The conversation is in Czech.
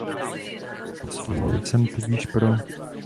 Hlasoval jsem tudíž pro.